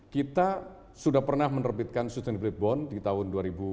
kita sudah pernah menerbitkan sustainable bond di tahun dua ribu dua